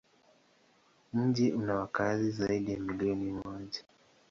Mji una wakazi zaidi ya milioni moja.